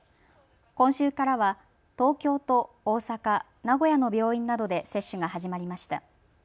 今週からは東京と大阪、名古屋の病院などで接種が始まりました。